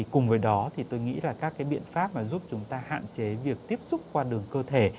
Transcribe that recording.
cùng với đó thì tôi nghĩ là các biện pháp mà giúp chúng ta hạn chế việc tiếp xúc qua đường cơ thể